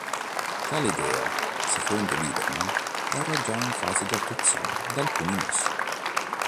Tale idea, secondo Lieberman, era già in fase di attuazione da alcuni mesi.